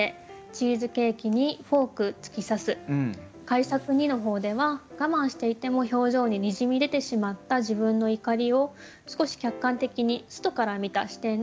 改作２の方では我慢していても表情ににじみ出てしまった自分の怒りを少し客観的に外から見た視点で考えてみました。